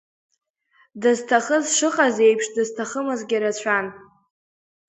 Дызҭахыз шыҟаз еиԥш, дызҭахымызгьы рацәан.